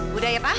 sudah ya pak